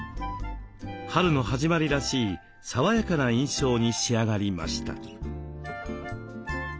春の始まりらしい爽やかな印象に仕上がりました。